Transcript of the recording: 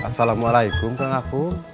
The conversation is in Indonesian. assalamualaikum kang aku